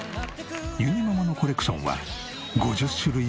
ゆにママのコレクションは５０種類を超える。